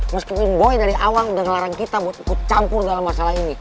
meskipun boy dari awal udah ngelarang kita buat campur dalam masalah ini